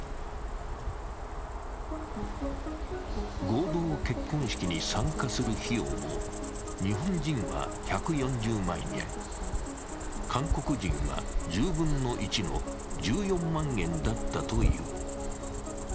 合同結婚式に参加する費用を日本人は１４０万円、韓国人は１０分の１の１４万円だったという。